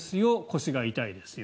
腰が痛いですよ。